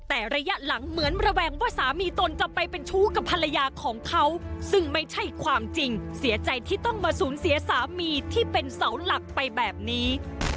แต่ระยะหลังเหมือนระแวงว่าสามีตนจะไปเป็นชู้กับภรรยาของเขาซึ่งไม่ใช่ความจริงเสียใจที่ต้องมาสูญเสียสามีที่เป็นเสาหลักไปแบบนี้